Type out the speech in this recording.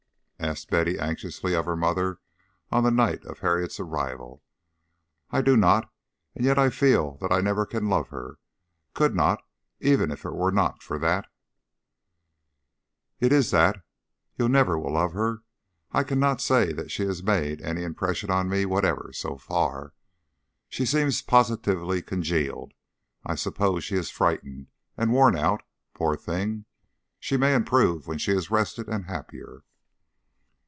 asked Betty anxiously of her mother on the night of Harriet's arrival. "I do not, and yet I feel that I never can love her could not even if it were not for that." "It is that. You never will love her. I cannot say that she has made any impression on me whatever, so far. She seems positively congealed. I suppose she is frightened and worn out, poor thing! She may improve when she is rested and happier."